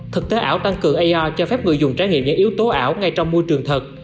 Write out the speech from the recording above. thực tế ảo tăng cường ar cho phép người dùng trải nghiệm những yếu tố ảo ngay trong môi trường thật